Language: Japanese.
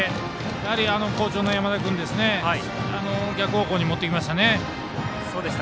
やはり好調の山田君逆方向に持っていきましたね。